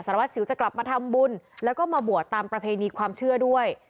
วัสสิวจะกลับมาทำบุญแล้วก็มาบวชตามประเพณีความเชื่อด้วย